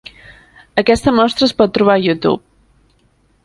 Aquesta mostra es pot trobar a YouTube.